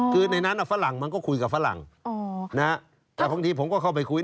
คือในนั้นฝรั่งมันก็คุยกับฝรั่งแต่บางทีผมก็เข้าไปคุย